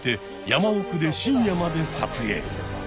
山奥で深夜まで撮影。